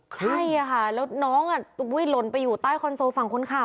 ใช่ค่ะแล้วน้องหล่นไปอยู่ใต้คอนโซลฝั่งคนขับ